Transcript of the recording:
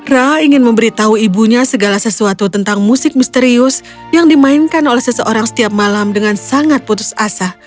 ra ingin memberitahu ibunya segala sesuatu tentang musik misterius yang dimainkan oleh seseorang setiap malam dengan sangat putus asa